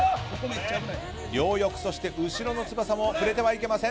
両翼そして後ろの翼も触れてはいけません。